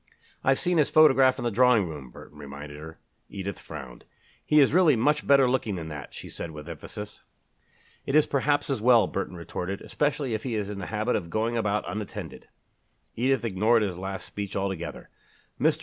"I've seen his photograph in the drawing room," Burton reminded her. Edith frowned. "He is really much better looking than that," she said with emphasis. "It is perhaps as well," Burton retorted, "especially if he is in the habit of going about unattended." Edith ignored his last speech altogether. "Mr.